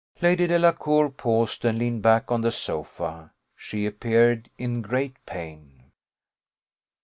Lady Delacour paused, and leaned back on the sofa; she appeared in great pain.